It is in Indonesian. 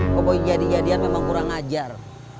pokoknya jadi jadian memang kurang ajar